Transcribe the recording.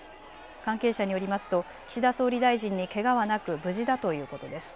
関係者によりますと岸田総理大臣にけがはなく無事だということです。